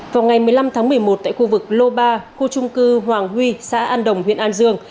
vào ngày một mươi năm tháng một mươi một tại khu vực lô ba khu trung cư hoàng huy xã an đồng huyện an dương